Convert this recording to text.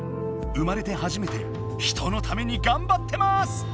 生まれて初めて人のためにがんばってます！